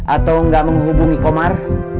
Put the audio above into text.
atau gak menghubungi komar